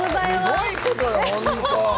すごいことよ、本当。